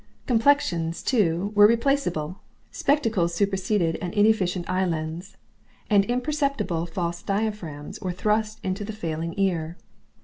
Complexions, too, were replaceable, spectacles superseded an inefficient eye lens, and imperceptible false diaphragms were thrust into the failing ear.